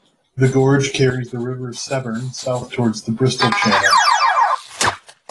The gorge carries the River Severn south towards the Bristol Channel.